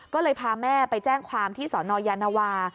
ก็เลยพาแม่ไปแจ้งความที่สนยานวา